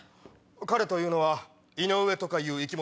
彼というのは井上という生き物？